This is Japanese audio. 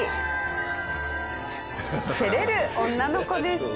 照れる女の子でした。